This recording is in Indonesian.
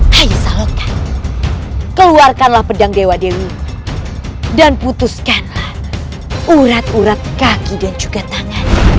hai shaloka keluarkanlah pedang dewa dewi dan putuskanlah urat urat kaki dan juga tangan